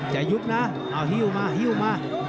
อย่ายุบนะเอาฮิวมาฮิวมา